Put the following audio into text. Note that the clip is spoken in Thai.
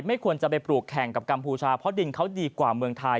ควรจะไปปลูกแข่งกับกัมพูชาเพราะดินเขาดีกว่าเมืองไทย